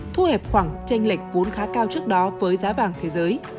thu hẹp khoảng tranh lệch vốn khá cao trước đó với giá vàng thế giới